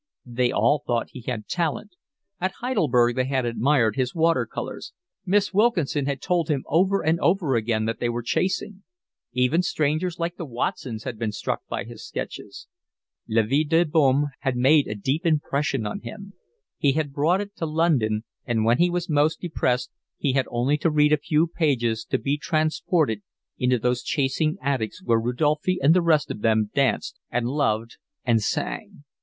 They all thought he had talent; at Heidelberg they had admired his water colours, Miss Wilkinson had told him over and over again that they were chasing; even strangers like the Watsons had been struck by his sketches. La Vie de Boheme had made a deep impression on him. He had brought it to London and when he was most depressed he had only to read a few pages to be transported into those chasing attics where Rodolphe and the rest of them danced and loved and sang.